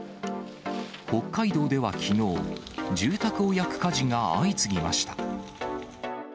北海道ではきのう、住宅を焼く火事が相次ぎました。